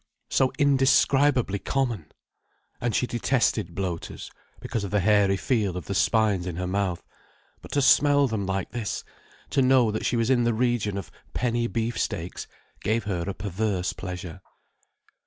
so indescribably common! And she detested bloaters, because of the hairy feel of the spines in her mouth. But to smell them like this, to know that she was in the region of "penny beef steaks," gave her a perverse pleasure.